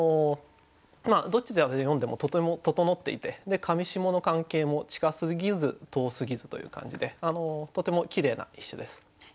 どちらで読んでもとても整っていて上下の関係も近すぎず遠すぎずという感じでとてもきれいな一首です。